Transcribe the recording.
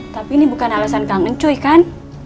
tapi ini bukan alasan kangen cuy kan